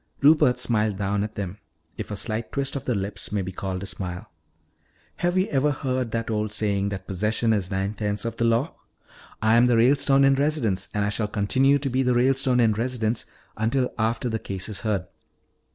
Rupert smiled down at them, if a slight twist of the lips may be called a smile. "Have you ever heard that old saying that 'possession is nine points of the law'? I am the Ralestone in residence, and I shall continue to be the Ralestone in residence until after this case is heard.